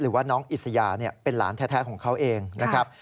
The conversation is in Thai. หรือว่าน้องอิสยาเป็นหลานแท้ของเขาเองนะครับ